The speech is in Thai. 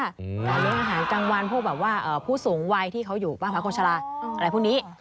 เลี้ยงอาหารกลางวันพวกแบบว่าผู้สูงวัยที่เขาอยู่บ้านพักคนชะลาอะไรพวกนี้